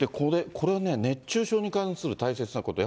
これね、熱中症に関する大切なこと。